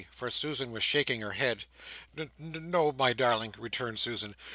For Susan was shaking her head. "No n no, my darling," returned Susan.